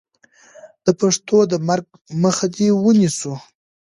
د پښتو د مرګ مخه دې ونیسو.